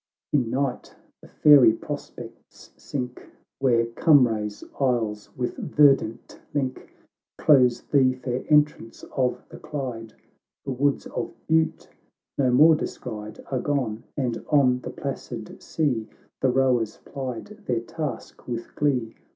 In night the fairy prospects sink, Where Cumray's isles with verdant link Close the fair entrance of the Clyde; The woods of Bute no more descried, Are gone — and on the placid sea The rowers plied their task with glee.